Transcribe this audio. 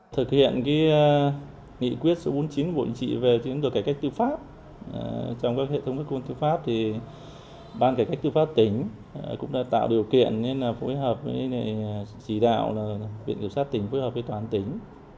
trong các hệ thống quyết cung tư pháp ban cải cách tư pháp tỉnh cũng đã tạo điều kiện phối hợp với chỉ đạo viện kiểm soát tỉnh phối hợp với tòa án tỉnh